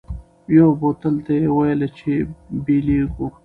یوه بل ته یې ویله چي بیلیږو